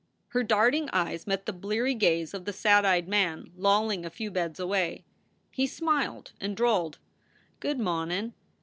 Her darting eyes met the bleary gaze of the sad eyed man, lolling a few beds away. He smiled and drawled, "Good mawn n